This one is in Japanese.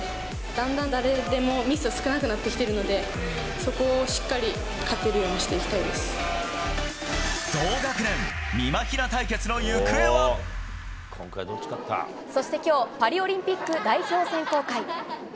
だんだん誰でもミスが少なくなってきてるので、そこをしっかり勝同学年、みまひな対決の行方そしてきょう、パリオリンピック代表選考会。